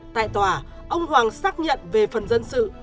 tại tòa ông hoàng xác nhận về phần dân sự